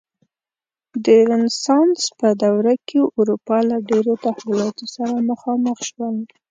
د رنسانس په دوره کې اروپا له ډېرو تحولاتو سره مخامخ شول.